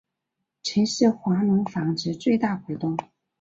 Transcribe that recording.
曾是华隆纺织最大股东。